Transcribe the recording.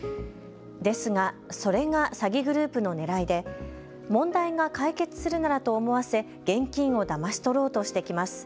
ですが、それが詐欺グループのねらいで問題が解決するならと思わせ現金をだまし取ろうとしてきます。